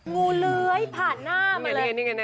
อยู่ไหนนี่ไง